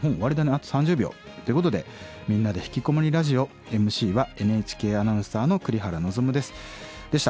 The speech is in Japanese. あと３０秒。ということで「みんなでひきこもりラジオ」ＭＣはＮＨＫアナウンサーの栗原望でした。